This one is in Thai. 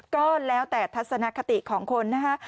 ก็แล้วแต่ทัศนคติของคนนะคะ